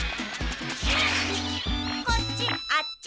こっちあっち